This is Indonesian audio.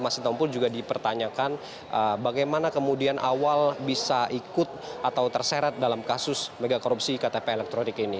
mas sitompul juga dipertanyakan bagaimana kemudian awal bisa ikut atau terseret dalam kasus megakorupsi ktp elektronik ini